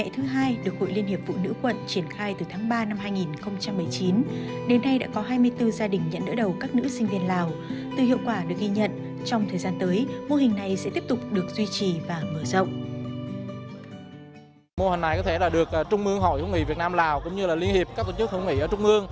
thực hiện quy định của bộ nông nghiệp và phát triển nông thôn